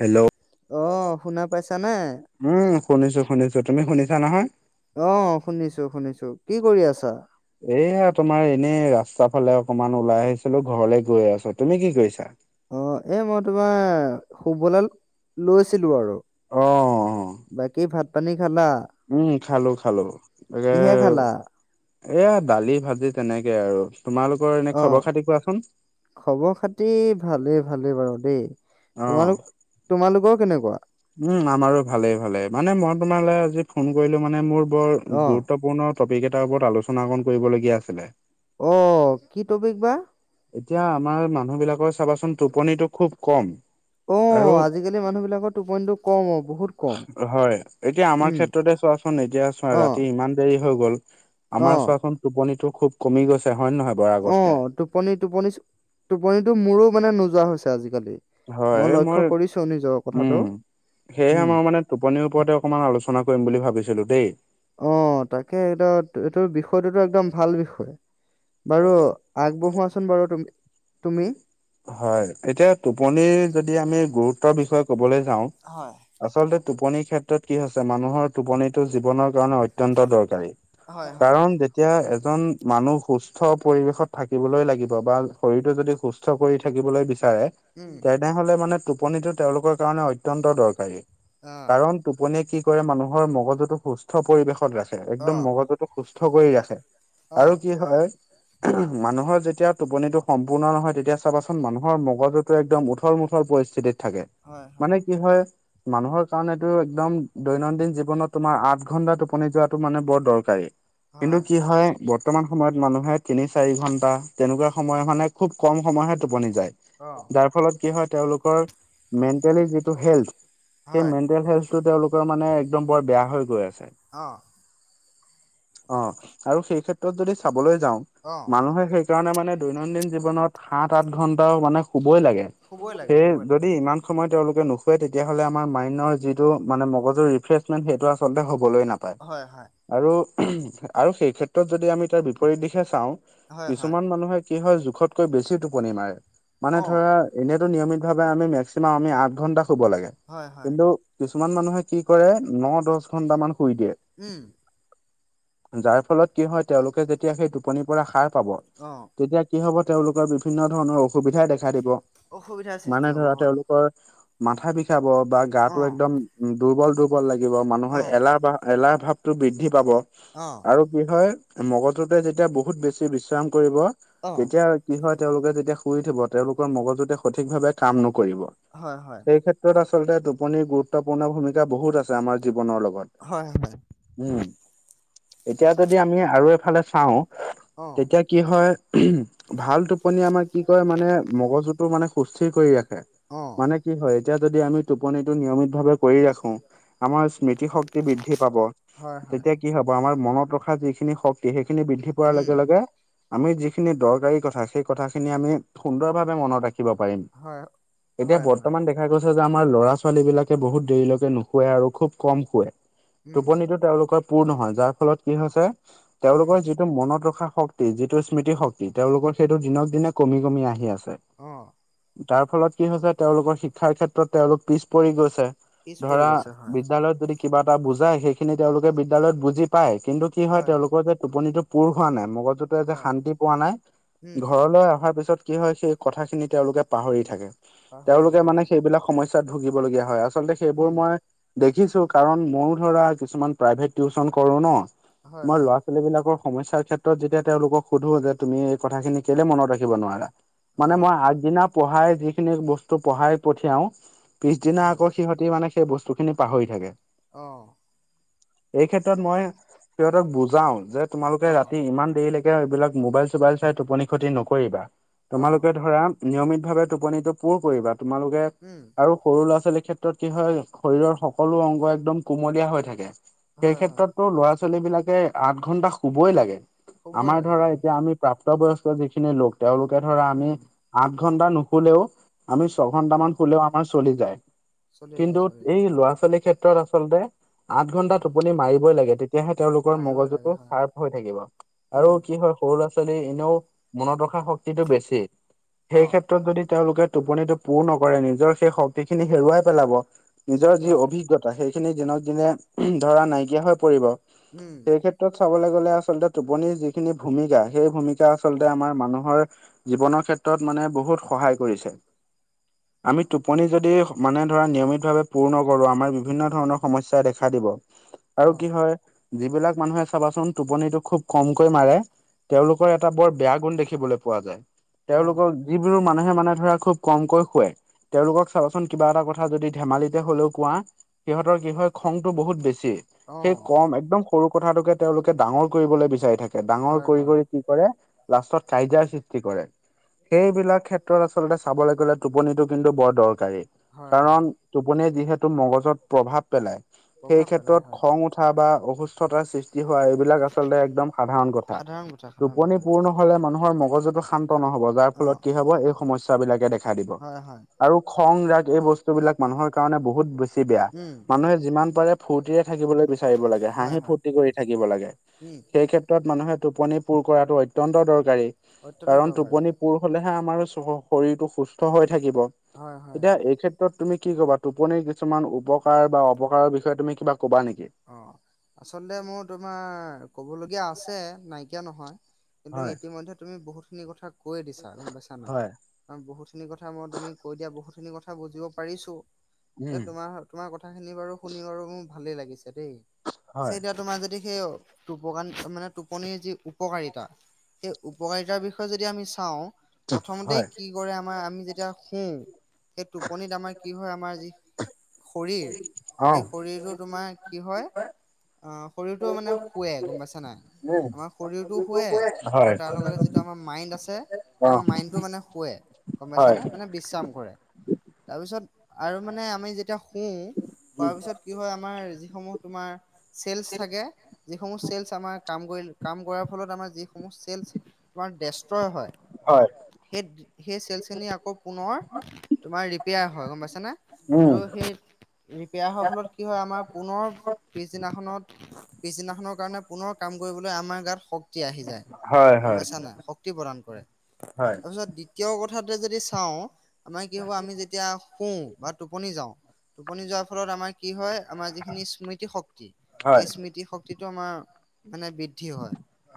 Hello অ শুনা পাইছানে? উম শুনিছো শুনিছো। তুমি শুনিছা নহয়? অ শুনিছো শুনিছো। কি কৰি আছা? এইয়া তোমাৰ এনেই ৰাস্তা ফালে অকমান ওলাই আহিছিলো ঘৰলে গৈ আছো। তুমি কি কৰিছা? অ, এই মই তোমাৰ শুবলে লৈছিলো আৰু। অ বাকী ভাত পানী খালা? উম খালো খালো তাকে কিহে খালা? এইয়া দালি, ভাজি তেনেকে আৰু। তোমালোকৰ এনে খবৰ-খাতি কোৱাচোন? খবৰ-খাতি ভালেই ভালেই বাৰু দেই। অ। তোমালোক তোমালোকৰ কেনেকুৱা? উম আমাৰো ভালেই ভালেই। মানে মই তোমালে আজি ফোন কৰিলো মানে মোৰ বৰ অহ গুৰুত্বপূৰ্ণ টপিক এটাৰ ওপৰত আলোচনা অকণ কৰিবলগীয়া আছিলে। অ কি টপিক বা? এতিয়া আমাৰ মানুহবিলাকৰ চাবাচোন টোপনিটো খুব কম আৰু কেলে মানুহবিলাকৰ টোপনিটো কম অ বহুত কম হয় এতিয়া আমাৰ উম ক্ষেত্ৰতে চোৱাচোন এতিয়া চোৱা অহ ৰাতি ইমান দেৰি হৈ গ'ল আমাৰ অহ। চোৱাখন টোপনিটো খুব কমি গৈছে হয়নে নহয়? বাৰু আগতকে অ', টোপনি-টোপনি টোপনিটো মোৰো মানে নোযোৱা হৈছে আজিকালি। মই লক্ষ্য কৰিছো নিজৰ কথাটো, উম সেয়েহে উম। মই মানে টোপনিৰ ওপৰতে অকণমান আলোচনা কৰিম বুলি ভাবিছিলো দেই। অ', তাকে এদত এইটো বিষয়টোতো একদম ভাল বিষয়। বাৰু আগবঢ়োৱাচোন বাৰু তুম-তুমি? হয়, এতিয়া টোপনিৰ যদি আমি গুৰুত্বৰ বিষয়ে কবলে যাওঁ হয়। আচলতে টোপনিৰ ক্ষেত্ৰত কি হৈছে, মানুহৰ টোপনিতটো জীৱনৰ জীৱনত অত্যন্ত দৰকাৰী, হয়, হয়, কাৰণ যেতিয়া এজন মানুহ সুস্থ সুস্থ পৰিৱেশত থাকিবলৈ লাগিব বা শৰীৰটো যদি সুস্থ কৰি থাকিবলৈ বিচাৰে উম, তেনেহলে মানে টোপনিটো তেওঁলোকৰ কাৰণে অত্যন্ত দৰকাৰী, অ', কাৰণ টোপনিয়ে কি কৰে মানুহৰ মগজুতটো সুস্থ পৰিৱেশত ৰাখে, একদম অ', মগজুটো সুস্থ কৰি ৰাখে। অ', আৰু কি হয় মানুহৰ যেতিয়া টোপনিটো সম্পূৰ্ণ নহয়, তেতিয়া চাবাচোন মানুহৰ মগজুটো একদম উঠৰ মুঠৰ পৰিছ স্থিতিত থাকে। হয়, হয়। মানে কি হয় মানুহৰ কাৰণেটো একদম, দৈনন্দিন জীৱনত তোমাৰ আঠ ঘন্টা টোপনি যোৱাটো মানে বৰ দৰকাৰী। কিন্তু কি হয়, বৰ্তমান সময়ত মানুহে তিনি, চাৰি ঘন্টা তেনেকুৱা সময় মানে খুব কম সময়হে টোপনি যায়, অ', যাৰ ফলত কি হয়, তেওঁলোকৰ মেণ্টেলি যিটো হেল্থ সেই হয়, মেন্টেল হেল টো তেওঁলোকৰ মানে একদম বৰ বেয়া হৈ গৈ আছে। অ'। অ', আৰু সেই ক্ষেত্ৰত যদি চাবলৈ যাওঁ অ'। মানুহে সেইকাৰণে মানে দৈনন্দিন জীৱনত সাত-আঠ ঘন্টাও মানে শুবই লাগে। শুবই লাগে সেই শুবই লাগে যদি হয়, ইমান সময়ত তেওঁলোকে নুখুৱে, তেতিয়াহ'লে আমাৰ মাইণ্ডৰ যিটো মানে মগজুৰ ৰিফ্ৰেছমেণ্ট সেইটো আচলতে হ'বলৈ নাপায়। হয়, হয়। আৰু, আৰু সেই ক্ষেত্ৰত যদি আমি তাৰ বিপৰীত দিশে চাওঁ হয়, হয়, কিছুমান মানুহে কি হয় জোখতকৈ বেছি টোপনি মাৰে, মানে অ', ধৰা এনেইতো নিয়মিত ভাৱে আমি মেক্সিমাম আমি আঠ ঘন্টা শুব লাগে, হয়, হয়, কিন্তু কিছুমান মানুহে কি কৰে, ন-দহ ঘন্টা মান শুই দিয়ে। উম। যাৰ ফলত কি হয়, তেওঁওলোকে যেতিয়া সেই টোপনিৰ পৰা সাৰ পাব অ'। তেতিয়া কি হ'ব, তেওঁলোকৰ বিভিন্ন ধৰণৰ অসুবিধাই দেখা দিব। অসুবিধাৰ সৃষ্টি মানে হ'ব ধৰা হয়। তেওঁলোকৰ মাথা বিষাব বা গাটো অ', একদম দুৰ্বল-দুৰ্বল লাগিব মানুহৰ অ', এলাহ ভাহ এলাহ ভাৱ টো বৃদ্ধি পাব। অ'। আৰু কি হয়, মগজুতো যেতিয়া বহুত বেছি বিশ্ৰাম কৰিব অ', তেতিয়া কি হয়, তেওঁলোকে যেতিয়া শুই উঠিব তেওঁলোকৰ মগজুতোৱে সঠিক ভাৱে কাম নকৰিব। হয়, হয়। সেই ক্ষেত্ৰত আচলতে, টোপনিৰ গুৰুত্বপূৰ্ণ ভূমিকা বহুত আছে আমাৰ জীৱনৰ লগত। হয়, হয়। উম, এতিয়া যদি আমি আৰু এফালে চাওঁ অ', এতিয়া কি হয়, ভাল টোপনি আমাৰ কি কয় মানে মগজুটো মানে সুস্থিৰ কৰি ৰাখে। অ', মানে কি হয়, এতিয়া যদি আমি টোপনিটো নিয়মিত ভাৱে কৰি ৰাখো। আমাৰ স্মৃতিশক্তি বৃদ্ধি পাব হয়, হয়, তেতিয়া। কি হ'ব, আমাৰ মনত ৰখা যিখিনি শক্তি, সেইখিনি বৃদ্ধি পোৱাৰ উম, লগে লগে আমি যিখিনি দৰকাৰী কথা, সেই কথাখিনি আমি- সুন্দৰ ভাৱে মনত ৰাখিব পাৰিম। হয়, এতিয়া হয়, হয়, বৰ্তমান দেখা - দেখা গৈছে যে আমাৰ ল'ৰা-ছোৱালী বিলাকে বহুত দেৰিলৈকে নুশুৱে আৰু খুব কম শুৱে। উম, টোপনিটো তেওঁলোকৰ পূৰ নহয়, যাৰ ফলত কি হৈছে উম, তেওঁলোকৰ যিটো- টো মনত ৰখা শক্তি, যিটো স্মৃতি শক্তি। তেওঁলোকৰ সেইটো দিনক দিনে কমি কমি আহি আছে। অ', তাৰ ফলত কি হৈছে, তেওঁলোকৰ শিক্ষাৰ ক্ষেত্ৰত তেওঁলোক পিছ পৰি গৈছে। পিছ পৰি ধৰা, গৈছে হয়, বিদ্যালয়ত যদি, কিবা এটা বুজায়, সেইখিনি তেওঁলোকে বিদ্যালয়ত বুজি পায়। কিন্তু কি হয়, তেওঁলোকৰ যে টোপনিটো- পূৰ হোৱা নাই, মগজুতে যে হয়, শান্তি পোৱা নাই। উম, ঘৰলৈ অহাৰ পিছত- কি হয়, সেই কথা খিনি তেওঁলোকে পাহৰি থাকে। পাহৰি তেওঁলোকে যায় মানে হয়, সেইবিলাক- সমস্যাত ভুগিবলগীয়া হয়, আচলতে সেইবোৰ উম, মই- দেখিছোঁ, কাৰণ মইয়ো ধৰা কিছুমান প্ৰাইভেট টিউচন কৰো ন। হয়, মই হয়, ল'ৰা-ছোৱালী বিলাকৰ সমস্যাৰ ক্ষেত্ৰত, যেতিয়া তেওঁলোকক সোধো যে তুমি এই কথাখিনি কেলে মনত ৰাখিব নোৱাৰা, মানে অ', মই আগদিনা পঢ়াই যিখিনি বস্তু পঢ়াই পঠিয়াও পিছদিনা হয়, আকৌ সিহঁতি মানে সেই বস্তু খিনি পাহৰি থাকে। অ', এই ক্ষেত্ৰত মই সিহঁতক বুজাও যে, তোমালোকে অ', ৰাতি ইমান দেৰিলৈকে এইবিলাক মোবাইল চোবাইল চাই টোপনি ক্ষতি নকৰিবা। অ', তোমালোকে ধৰা- নিয়মিত ভাৱে টোপনিটো পুৰ কৰিবা। তোমালোকে- উম্, আৰু সৰু ল'ৰা-ছোৱালীৰ ক্ষেত্ৰত কি হয়, শৰীৰৰ সকলো অংগ একদম কুমলীয়া হৈ থাকে। সেই হয়, হয়, ক্ষেত্ৰতো ল'ৰা-ছোৱালী বিলাকে আঠ ঘন্টা শুবই লাগে। শুবই আমাৰ লাগে, ধৰা শুব এতিয়া লাগে, আমি প্ৰাপ প্ৰাপ্তবয়স্ক যিখিনি লোক, তেওঁলোকে ধৰা আমি উম, আঠ ঘন্টা নুশুলেও- আমি ছঘন্টা হয়, মান শুলেও আমাৰ চলি যায়। চলি যায়, কিন্তু চলি যায়, এই ল'ৰা-ছোৱালীৰ ক্ষেত্ৰত আচলতে আঠ ঘন্টা টোপনি মাৰিবই লাগে। তেতিয়াহে তেওঁলোকৰ মাৰিবই লাগে মগজুটো হয়, চাৰ্ফ হৈ থাকিব আৰু উম, কি হয় সৰু ল'ৰা-ছোৱালী এনেও মনত ৰখা শক্তিটো বেছি। সেই অ', ক্ষেত্ৰত ক্ষেত্ৰত যদি তেওঁলোকে টোপনিটো পূৰ নকৰে। নিজৰ সেই শক্তিখিনি হেৰুৱাই পেলাব। নিজৰ যি হয়, অভিজ্ঞতা, সেইখিনি দিনক দিনে ধৰা নাইকিয়া হৈ পৰিব। উম, সেই ক্ষেত্ৰত চাবলৈ গ'লে আচলতে টোপনিৰ যিখিনি ভূমিকা, সেই ভূমিকা হয়, আচলতে আমাৰ মানুহৰ- জীৱনৰ ক্ষেত্ৰত মানে বহুত সহায় কৰিছে। আমি টোপনি যদি মানে ধৰা নিয়মিতভাৱে, পূৰ নকৰোঁ, আমাৰ বিভিন্ন ধৰণৰ সমস্যা দেখা দিব আৰু অ', কি হয় যিবিলাক মানুহে চাবাচোন টোপনিতো খুব কমকৈ মাৰে, তেওঁলোকৰ এটা বৰ বেয়া গুণ দেখিবলৈ পোৱা যায়। তেওঁলোক অ', যিবোৰ মানুহে মানে ধৰা খুব কমকৈ শুৱে। তেওঁলোকক চাবাচোন, কিবা এটা কথা যদি ধেমালিতে হ'লেও কোৱা। সিহঁতৰ কি হয়, খংটো বহুত বেছি। সেই অ', কম, একদম সৰু কথাটোকে তেওঁলোকে ডাঙৰ কৰিবলৈ বিচাৰি থাকে। ডাঙৰ হয়, কৰি হয়। কৰি কৰে, লাষ্টত কাজিয়াৰ সৃষ্টি কৰে। সেইবিলাক ক্ষেত্ৰত আচলতে চাবলৈ গ'লে, টোপনিটো কিন্তু বৰ দৰকাৰী। হয় হয় কাৰণ- টোপনিয়ে যিহেতু মগজুত প্ৰভাৱ পেলায়। সেই প্ৰভাৱ পেলাই ক্ষেত্ৰত হয় খং উঠা বা অসুস্থ- তটাৰ সৃষ্টি কি হয়, এইবিলাক আচলতে একদম সাধাৰণ কথা। সাধাৰণ সাধাৰণ টোপনি কথা পূৰ নহ'লে, মানুহৰ মগজুটো শান্ত নহ'ব। যাৰ অ ফলত কি হ'ব এই সমস্যাবিলাকে দেখা দিব। হয় হয় আৰু খং ৰাগ এই বস্তু বিলাক মানুহৰ কাৰণে বহুত বেছি বেয়া, উম মানুহে যিমান পাৰে। ফূৰ্তিৰে থাকিবলৈ বিচাৰিব লাগে। হয় হাঁহি হয় ফূুৰ্তি কৰি থাকিব লাগে উম সেই ক্ষেত্ৰত মানুহে টোপনি পুৰ কৰাটো অত্যন্ত দৰকাৰী। অত্যন্ত কাৰণ দৰকাৰী টোপনি পোৰ হলেহে আমাৰ শৰীৰটো সুস্থ হৈ থাকিব হয় হয় এতিয়া এই ক্ষেত্ৰ ত তুমি কি ক'বা টোপনিৰ কিছুমান উপকাৰ বা অপকাৰ বিষয়ে তুি কিবা ক'বা নেকি? অ', আচলতে মোৰ তোমাৰ ক'বলগীয়া আছে নাইকিয়া নহয়। কিন্তু হয় ইতিমধ্যে তুমি বহুতখিনি কথা কৈয়ে দিছা গম পাইছা নাই। হয় কাৰ বহুতখিনি কথা মই তুমি কৈ দিয়া বহুতখিনি কথা বুজিব পাৰিছো উম এ তোমাৰ তোমাৰ কথাখিনি বাৰু শুনি বাৰু মোৰ ভালেই লাগিছে দেই চ হয় এতিয়া তোমাৰ যদি সেই টোপান মানে টোপনিৰ যি উপকাৰিতা সেই উপকাৰিতাৰ বিষয়ে যদি আমি চাওঁ প্ৰথমতে হয় কি কি কৰে আমাৰ আমি যেতিয়া শুওঁ সেই টোপনিত আমাৰ কি হয় আমাৰ যি শৰীৰ অ সেই শৰীৰটো তোমাৰ কি হয় আহ শৰীৰটো মানে শুৱে গম পাইছা নাই। উম আমাৰ শৰীৰটো শুৱে। আৰু হয় তাৰ লগতে যিটো আমাৰ মাইণ্ড আছে আমাৰ মাইণ্ডটো মানে শুৱে। গম পাইছ হয় নে মানে বিশ্ৰাম কৰে। তাৰপিছত আৰু মানে আমি যেতিয়া শুওঁ উম শোৱাৰ পিছত কি হয় আমাৰ যিসমূহ তোমাৰ চেলচ থাকে যিসমূহ চেলচ আমাৰ কাম কৰি কাম কৰাৰ ফলত আমাৰ যিসমূহ চেলচ তোমাৰ ডেষ্ট্ৰয় হয়। সেই সেই চেল খি আকৌ পুনৰ তোমাৰ ৰিপেয়াৰ হয় গম পাইছ নে। উম আৰু সেই ৰিপেয়াৰ হোৱাৰ ফলত কি হয় আমাৰ পুনৰ পিছদিনাখনত পিছদিনাখনৰ কাৰণে পুনৰ কাম কৰিবলৈ আমাৰ গাত শক্তি আহি যায় হয় গম হয় পাইছা নাই শক্তি প্ৰদান কৰে হয় তাৰপিছত দ্বিতীয় কথাতে যদি চাওঁ আমাৰ কি হ'ব আমি যেতিয়া শু বা টোপনি যাওঁ টোপনি যোৱাৰ ফলত আমাৰ কি হয় আমাৰ যি খিনি স্মৃতি শক্তি হয় এই স্মৃতি শক্তিটো আমাৰ মানে বৃ বৃদ্ধি হয়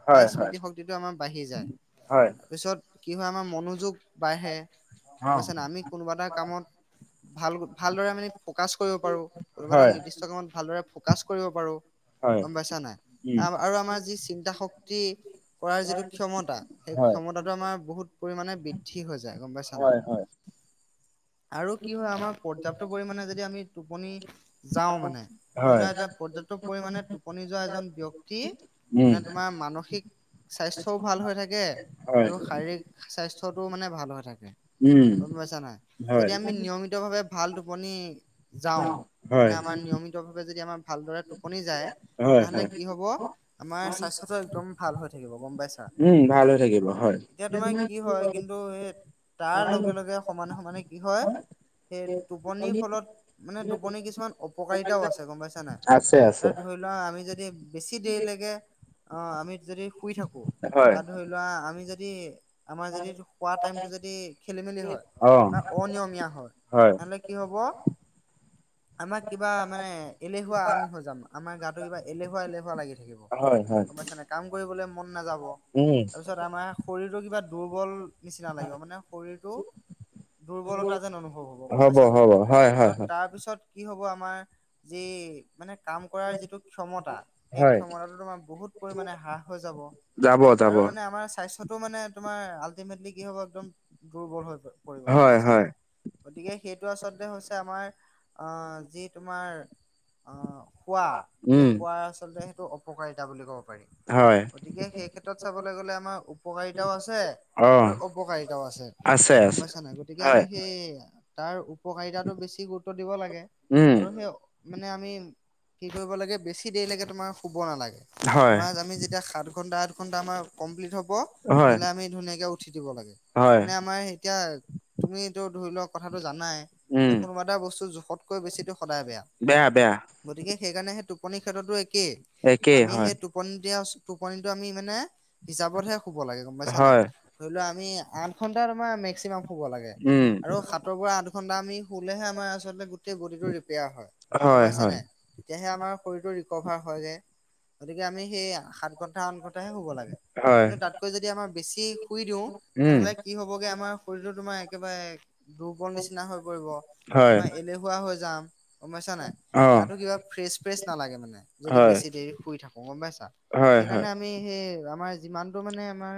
হয় প্ৰায় হয় স্মৃতিশক্তিটো আমাৰ বাঢ়ি যায় হয় তাৰপিছত কি হয় আমাৰ মনোযোগ বাঢ়ে অ অৱশ্যে ন আমি কোনোবা এটা কামত ভাল ভালদৰে মানে ফকাচ কৰিব পাৰোঁ কোনোবা এটা হয় নিৰ্দিষ্ট কামত ভালদৰে ফকাচ কৰিব পাৰো হয় গম পাইছা নাই উম আৰু আমাৰ যি চিন্তা শক্তি কৰাৰ যিটো ক্ষমতা সেই হয় ক্ষমতাটো আমাৰ বহুত পৰিমণে বৃদ্ধি হৈ যায় গম পাইছা হয় হয় নাই। আৰু কি হয় আমাৰ পৰ্যাপ্ত পৰিমাণে যতিয়া আমি টোপনি যাওঁ মানে। ধৰি হয় লোৱা এটা পৰ্যাপ্ত পৰিমমানে টোপনি যোৱা এজন ব্যক্তি উম মানে তোমাৰ মানসিক স্বাস্থ্যও ভাল হৈ থাকে হয়, আৰু শাৰীৰিক স্বাস্থ্যটো মানে ভাল হৈ থাকে উম, গম পাইছা নাই হয়, যদি আমি নিয়মিত ভাৱে ভাল টোপনি যাওঁ মানে হয়, আমাৰ নিয়মিতভাৱে যদি আমাৰ ভালদৰে টোপনি যায় হয়, তেনেহ'লে হয়। কি হ'ব আমাৰ স্বাস্থ্যটো একদম ভাল হৈ থাকিব গম পাইছা। উম, ভাল হৈ থাকিব অ', হয়, এতিয়া তোমাৰ কি হয় কিন্তু সে তাৰ লগে লগে সমানে সমানে কি হয় সেই টোপনিৰ ফলত মানে টোপনি কিছুমান অপকাৰিতাও আছে গম পাইছা নাই। আছে আছে। তাত ধৰি লোৱা আমি যদি বেছি দেৰিলৈকে অ', আমি যদি শুই থাকো হয়, বা ধৰি লোৱা আমি যদি আমাৰ যদি শুৱা টাইমটো যদি খেলি মেলি হয় অ', বা অনিয়মীয়া হয় তেনহলে কি হ'ব আমাক কিবা মানে এলেহুৱা আমি হৈ যাম আমাৰ গাটো কিবা এলেহুৱা এলেহুৱা লাগি থাকিব হয়, হয়, গম পাইছ নাই। কাম কৰিবলৈ মন নাযাব উম, তাৰপিছত আমাৰ শৰীৰটো কিবা দুৰ্বল নিচিনা লাগিব মানে শৰীৰটো দুৰ্বলতা যেন অনুভৱ হ'ব গম পাইছা নাই হ'ব হয়, হয়, আৰু হয়, তাৰপিছত কি হ'ব আমাৰ যি মানে কাম কৰাৰ যিটো ক্ষমতা সেই হয়, ক্ষমতাটো তোমাৰ বহুত পৰিমাণে হ্ৰাস হৈ যাব। যাব যাব আৰু মানে আমাৰ স্বাস্থ মানে তোমাৰ আল্টিমেটলি কি হব একদম দুৰ্বল হৈ পৰিব গম হয়, পাইছা হয়, নাই। গতিকে সেইটো আচলতে হৈছে আমাৰ অ, যি তোমাৰ অ, শোৱা সেই উম, শোৱাৰ আচলতে সেইটো অপকাৰিতা বুলি ক'ব পাৰি। হয়, গতিকে সেই ক্ষেত্ৰত চাবলৈ গ'লে আমাৰ উপকাৰিতাও আছে। অ', আৰু অপকাৰিতাও আছে গম পাইছা নাই গতিকে আমি হয়, সেই তাৰ উপকাৰিতাটো বেছি গুৰুত্ব দিব লাগে উম, আৰু সেই মানে আমি কি কৰিব লাগে বেছি সি দেৰিলৈকে তোমাৰ শুব নালাগে। হয়, তোমাৰ আমি যেতিয়া সাত ঘণ্টা, আঠ ঘণ্টামান আমাৰ কমপ্লিট হ'ব। হয়, নহ'লে আমি ধুনীয়াকে উঠি দিব লাগে হয়, মানে আমাৰ এতিয়া তুমিটো ধৰি লওক কথাটো জানাই উম, যে কোনোবা এটা বস্তু জোখতকৈ বেছিটো সদায় বেয়া বেয়া, বেয়া। গতিকে সেইকাৰণে সেই টোপনি ক্ষেত্ৰতো একেই একেই আমি হয়, সেই টোপনি, টোপনিটো আমি মানে হিচাপতহে শুব লাগে গম পাইছা নাই। হয়, ধৰি লোৱা আমি আঠ ঘন্টা তোমাৰ মেক্সিমাম শুব লাগে উম, আৰু সাত আঠ ঘন্টা আমি শুলেহে আমাৰ আচলতে গোটেই বডটো ৰিপয়াৰ হয়, গম হয়, পাইছ হয়, নাই। তেতিয়াহে আমাৰ শৰীৰটো ৰিক'ভাৰ হৈ যায় গতিকে আমি সেই সাত ঘণ্টা, আঠ ঘণ্টাহে শুব লাগে। হয়, কিন্তু তাতকৈ যদি আমাৰ বেছি শুই দিওঁ উম, এনেহলে কি হবগে আমাৰ শৰীৰটো তোমাৰ একেবাৰে দুৰ্বল নিচিনা হৈ পৰিব। হয়। কোৱা হৈ যাম। নাই? অ', গাটো কিবা ফ্ৰেচ, ফ্ৰেচ নালাগে মানে যদি হয়, বেছি দেৰি শুই থাকো গম পাইছা। হয়, হয়। সেইকাৰণে আমি সেই আমাৰ যিমানটো মানে আমাৰ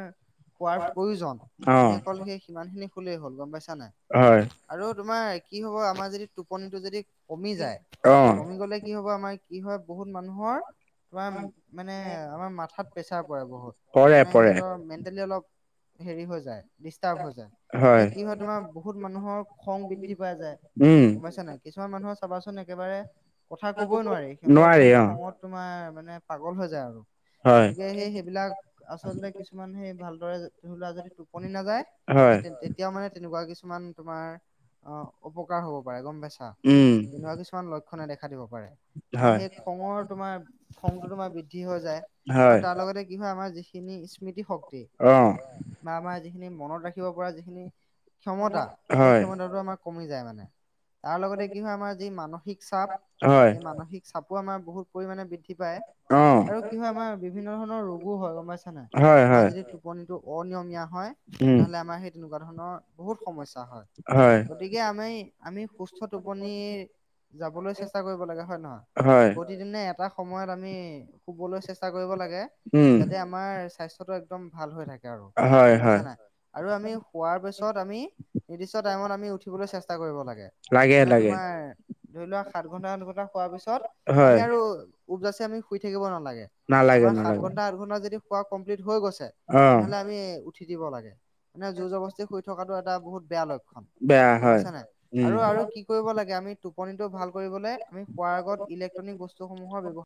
খোৱাৰ প্ৰয়োজন আমি অ', অকল সেই সিমান খিনি খুলেই হ'ল গম পাইছা নাই। হয়। আৰু তোমাৰ কি হ'ব আমাৰ যদি টোপনিটো যদি কমি যায়। অ'। কমি গ'লে কি হব আমাৰ কি হয় বহুত মানুহৰ তোমাৰ মানে আমাৰ মাথাত প্ৰেছাৰ পৰে, বহুত পৰে মানে পৰে, সিহঁতৰ মেণ্টেলি অলপ হেৰি হৈ যায়। ডিষ্টাৰ্ব হৈ যায় এ কি হয় তোমাৰ বহুত মানুহৰ খং বৃদ্ধি পোৱা যায়। উম, গমাইছা নেকি? কিছুমান মানুহৰ চাবাচোন একেবাৰে কথা ক'বই নোৱাৰি সিহঁত নোৱাৰি একদম অ', খঙত তোমাৰ মানে পাগল হৈ যায় আৰু হয়, গতিকে সেই, সেইবিলাক আচলতে কিছুমান সেই ভালদৰে ধৰি লোৱা যদি টোপনি নাযায় হয়, সেই এতিয়াও মানে তেনেকুৱা কিছুমান তোমাৰ অ, অপকাৰ হ'ব পাৰে গম পাইছা। উম। এনেকুৱা কিছুমান লক্ষণে দেখা দিব পাৰে। তোমাৰ হয়, সেই খঙৰ তোমাৰ খংটো তোমাৰ বৃদ্ধি হৈ যায় হয়। আৰু তাৰ লগতে কি হয় আমাৰ যিখিনি স্মৃতি শক্তি অ', বা আমাৰ যিখিনি মনত ৰাখিব পৰা যিখিনি ক্ষমতা সেই হয়, ক্ষমতাটো আমাক কমি যায় মানে তাৰ লগতে কি হয় আমাৰ যি মানসিক চাপ হয়, সেই মানসিক চাপোমাৰ বহুত পৰিমাণে বৃদ্ধি বৃদ্ধি পায় অ', আৰু কি হয় আমাৰ বিভিন্ন ধৰণৰ ৰোগো হয়, গম পাইছা না হয়, আমাৰ হয়, যদি টোপনি, টো অনিয়মীয়া হয় উম, নহ'লে আমাৰ সেই তেনেকুৱা ধৰণৰ বহুত সমস্যা হয় গতিকে আমি, আমি সুস্থ টোপনিৰ যাবলৈ চেষ্টা কৰিব লাগে হয়, হয়, নহয়। প্ৰতিদিনে এটা সময়ত আমি শুবলৈ চেষ্টা চেষ্টা কৰিব লাগে উম, যাতে আমাৰ স্বাস্থ্যটো একদম ভাল হৈ থাকে আৰু হয়, গম হয়, পাইছা না। আৰু আমি শোৱাৰ পিছত আমি নিৰ্দিষ্ট টাইমত আমি উঠিবলৈ চেষ্টা কৰিব লাগে। মানে তোমাৰ ধৰি লোৱা সাত ঘন্টা, আঘন্টা হোৱাৰ পিছত আমি হয়। আৰু উজাচ আমি শুই থাকিব নালাগে। নালাগে আমাৰ সাত নালাগে, ঘণ্টা, আঠ ঘণ্টা যদি খোৱা কমপ্লিট হৈ গৈছে। অ', তেনেহলে আমি উঠি দিব লাগে মানে যুজবস্তি শুই থকাতটো এটা বহুত বেয়া লক্ষ্য। বেয়া গম হয়, পাইছা নাই আৰু, উম। আৰু কি কৰিব লাগে আমি টোপনিটো ভাল কৰিবলে, আমি শুৱাৰ আগত ইলেক্ট্ৰনিক বস্তুসমূহৰ ব্যৱহাৰ